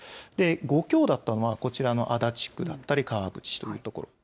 ５強だったのはこちらの足立区だったり川口市という所。